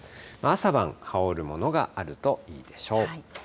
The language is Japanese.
朝晩、羽織るものがあるといいでしょう。